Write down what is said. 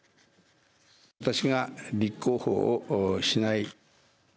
私が立候補をしない。